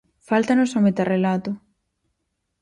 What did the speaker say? Fáltanos o metarrelato...